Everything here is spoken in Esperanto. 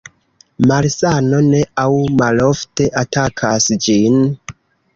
Malsano ne aŭ malofte atakas ĝin.